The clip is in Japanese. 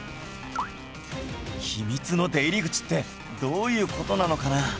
秘密の出入り口ってどういう事なのかな？